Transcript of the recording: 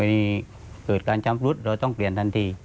เกิดการชำรุดเราต้องเปลี่ยนทันที